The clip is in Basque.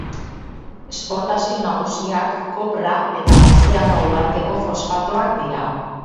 Esportazio nagusiak kopra eta Ozeano uharteko fosfatoak dira.